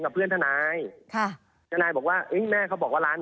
เขาก็ยืนยันว่ามันเยอะกว่านั้น